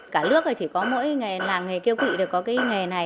cả nước chỉ có mỗi làng nghề kiêu quỵ có cái nghề này